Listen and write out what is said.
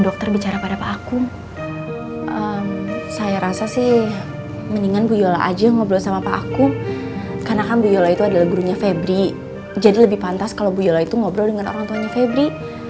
untuk nakal kegehenan there frankly ini tuh towavais kgr kamu sih duduk nah bringwhen it's all good sebaiknya kita brengiskah tapi kita excuser brit